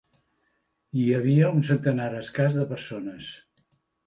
Hi havia un centenar escàs de persones.